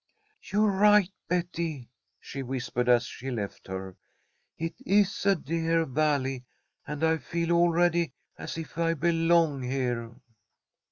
"You're right, Betty," she whispered as she left her. "It is a dear Valley, and I feel already as if I belong here."